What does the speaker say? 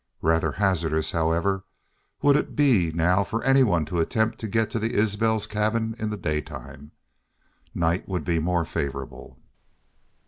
Rather hazardous, however, would it be now for anyone to attempt to get to the Isbel cabins in the daytime. Night would be more favorable.